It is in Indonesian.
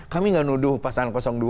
kami nggak nuduh pasangan dua